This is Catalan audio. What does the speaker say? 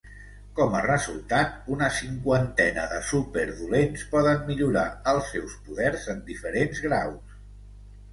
Com a resultat, una cinquantena de super dolents poden millorar els seus poders en diferents graus.